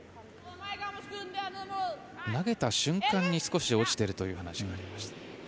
投げた瞬間に少し落ちているという話がありました。